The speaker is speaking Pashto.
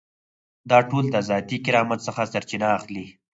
دا ټول د ذاتي کرامت څخه سرچینه اخلي.